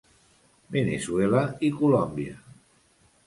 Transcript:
Veneçuela i Colòmbia.